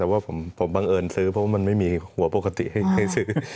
แต่ว่าผมบังเอิญซื้อเพราะว่ามันไม่มีหัวปกติให้ซื้อ